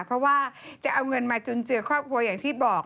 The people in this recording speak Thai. เพราะว่าจะเอาเงินมาจุนเจือครอบครัวอย่างที่บอก